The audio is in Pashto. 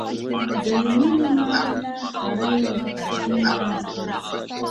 د مینې معامله سړی له پردې باسي.